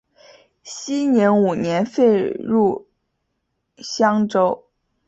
熙宁五年废入襄州。